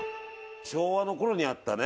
昭和の頃にあったね